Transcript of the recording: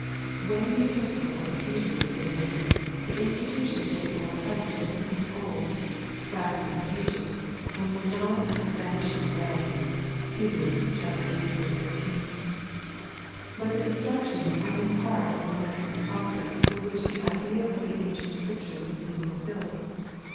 When the Epistle of the Hebrews was written, the institutfons of the old covenant were becoming old, waxing aged, and were nigb unto vanishing away (Heb. vlii. 13). But the destruction was only part of the natural process through which the ideal of[the ancient Scriptures was being fulfilled.